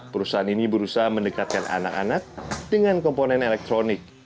perusahaan ini berusaha mendekatkan anak anak dengan komponen elektronik